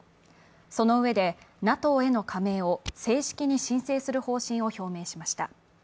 そのうえでＮＡＴＯへの加盟を正式に申請する方針を表明しました。